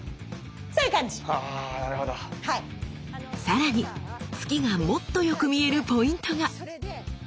さらに突きがもっと良く見えるポイントが。